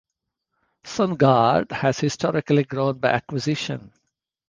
SunGard has historically grown by acquisition.